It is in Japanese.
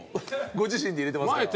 ご自身で入れてますから。